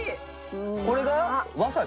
これがわさび？